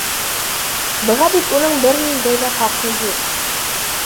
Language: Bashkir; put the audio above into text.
Быға бит уның бер ниндәй ҙә хаҡы юҡ.